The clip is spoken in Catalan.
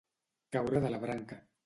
Caure de la branca.